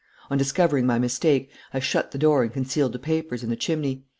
On discovering my mistake I shut the door and concealed the papers in the chimney.